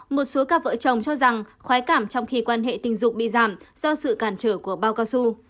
một số cặp vợ chồng cho rằng khói cảm trong khi quan hệ tình dục bị giảm do sự cản trở của bao cao su